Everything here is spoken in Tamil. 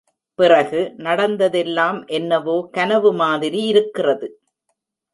பிறகு, நடந்ததெல்லாம் என்னவோ கனவு மாதிரி இருக்கிறது.